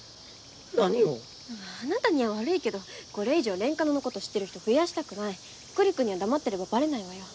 何を⁉あなたには悪いけどこれ以上レンカノのこと知ってる人増やしたくない栗くんには黙ってればばれないわよ